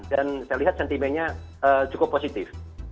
dan saya lihat sentimennya cukup positif